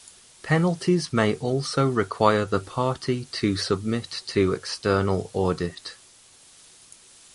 Penalties may also require the party to submit to external audit.